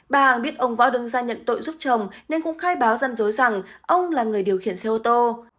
bà hằng biết ông võ đứng ra nhận tội giúp chồng nên cũng khai báo dân dối rằng ông là người điều khiển xe ô tô